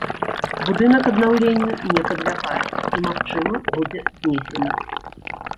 Будынак аднаўленню не падлягае і, магчыма, будзе знесены.